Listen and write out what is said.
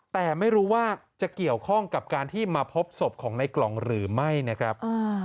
แต่ไม่รู้ว่าจะเกี่ยวข้องกับการที่มาพบศพของในกล่องหรือไม่นะครับ